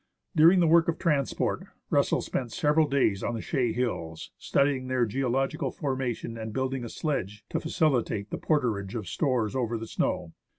During the work of transport, Russell spent several days on the Chaix Hills, studying their geological formation and building a sledge to facilitate the porterage of stores over the snow.